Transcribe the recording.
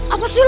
apa sih lu